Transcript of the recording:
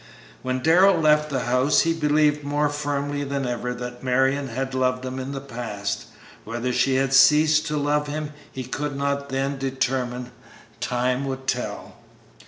When Darrell left the house he believed more firmly than ever that Marion had loved him in the past. Whether she had ceased to love him he could not then determine; time would tell.